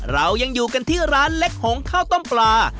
เรายังอยู่กันที่ร้านเล็กหงข้าวต้มปลา